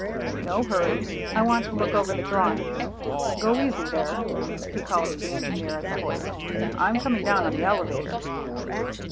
"No hurry. I want to look over the drawings. Go easy there," he called to the engineer at the hoist; "I'm coming down on the elevator."